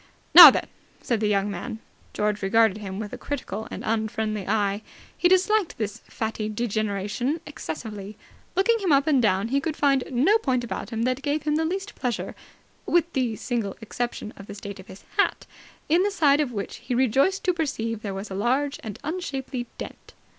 "Now then!" said the stout young man. George regarded him with a critical and unfriendly eye. He disliked this fatty degeneration excessively. Looking him up and down, he could find no point about him that gave him the least pleasure, with the single exception of the state of his hat, in the side of which he was rejoiced to perceive there was a large and unshapely dent.